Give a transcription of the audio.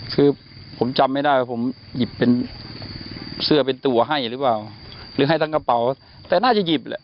คือผมจำไม่ได้ว่าผมหยิบเป็นเสื้อเป็นตัวให้หรือเปล่าหรือให้ทั้งกระเป๋าแต่น่าจะหยิบแหละ